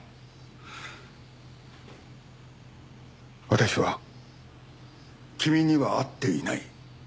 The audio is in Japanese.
私は君には会っていない。